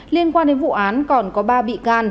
liên quan đến vụ án còn có ba bị can